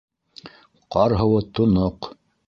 Ҡар һыуы тоноҡ.